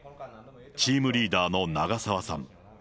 チームリーダーの長澤さん。